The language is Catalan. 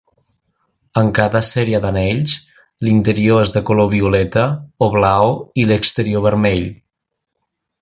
En cada sèrie d’anells, l’interior és de color violeta o blau i l’exterior vermell.